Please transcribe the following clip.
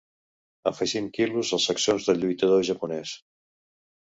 Afegint quilos als sacsons del lluitador japonès.